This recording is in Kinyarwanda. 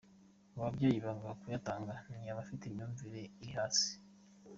Ngo ababyeyi banga kuyatanga ni abafite imyumvire iri hasi.